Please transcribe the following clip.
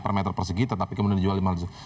per meter persegita tapi kemudian dijual rp lima